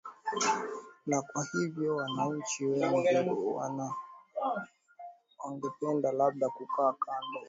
na kwa hivyo wananchi wengi wana wangependa labda kukaa kando